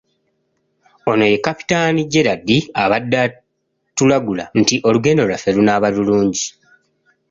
Ono ye Kapitaani Gerald abadde atulagula nti olugendo lwaffe lunaaba lulungi.